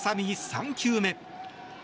３球目。